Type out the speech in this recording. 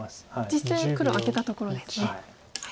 実戦黒アテたところですね。